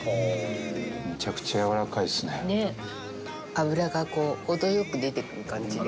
脂がこう程よく出てくる感じ。